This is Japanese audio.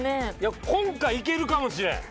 今回いけるかもしれん。